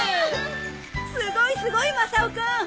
すごいすごいマサオくん！